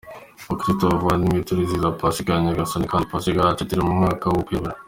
Bakristu bavandimwe, turizihiza Pasika ya Nyagasani kandi Pasika yacu turi mu mwaka w’ukwemera.